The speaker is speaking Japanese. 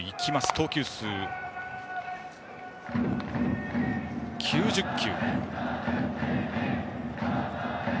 投球数９０球。